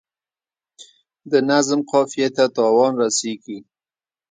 د نظم قافیې ته تاوان رسیږي.